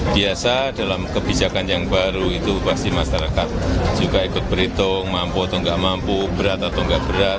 biasa dalam kebijakan yang baru itu pasti masyarakat juga ikut berhitung mampu atau enggak mampu berat atau enggak berat